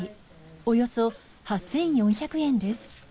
およそ８４００円です。